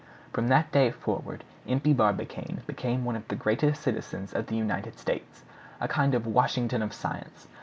From that day forward Impey Barbicane became one of the greatest citizens of the United States, a kind of Washington of science.